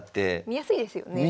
見やすいですよね。